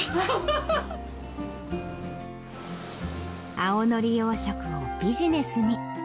青のり養殖をビジネスに。